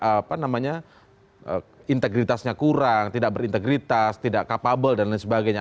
apa namanya integritasnya kurang tidak berintegritas tidak capable dan lain sebagainya